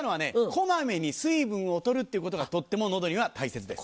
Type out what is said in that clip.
小まめに水分を取るっていうことがとっても喉には大切です。